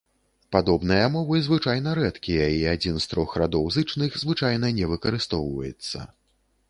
Падобныя мовы звычайна рэдкія, і адзін з трох радоў зычных звычайна не выкарыстоўваецца.